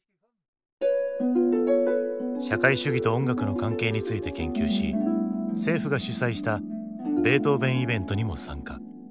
社会主義と音楽の関係について研究し政府が主催したベートーヴェンイベントにも参加。